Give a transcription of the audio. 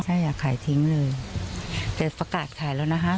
ใช่อ่ะขายทิ้งเลยแต่ประกาศขายแล้วนะคะ